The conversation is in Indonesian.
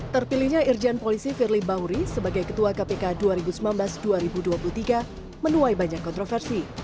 terpilihnya irjen polisi firly bahuri sebagai ketua kpk dua ribu sembilan belas dua ribu dua puluh tiga menuai banyak kontroversi